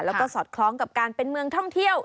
แล้วก็สอดคล้องกับการเป็นเมืองท่องเที่ยว